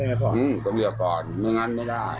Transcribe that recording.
อื้มเต็มต้องเรียกก่อนเหมียงงั้นไม่ได้